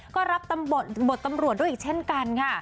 ก็รับบทตำรวจด้วยอีกเช่นกันค่ะ